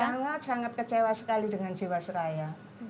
sangat sangat kecewa sekali dengan jiwasraya